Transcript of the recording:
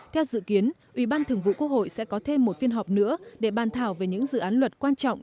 theo dự kiến ủy ban thường vụ quốc hội sẽ có thêm một phiên họp nữa để bàn thảo về những dự án luật quan trọng